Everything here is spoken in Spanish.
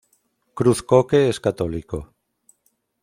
Cruz-Coke es católico.